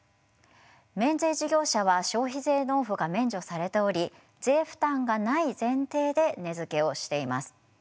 免税事業者は消費税納付が免除されており税負担がない前提で値づけをしています。